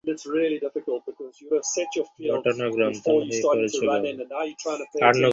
ঘটনা-গ্রন্থন হয়ে পড়েছে গৌণ।